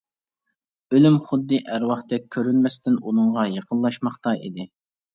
ئۆلۈم خۇددى ئەرۋاھتەك كۆرۈنمەستىن ئۇنىڭغا يېقىنلاشماقتا ئىدى.